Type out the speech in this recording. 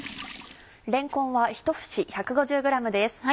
れんこんは１節１５０ｇです。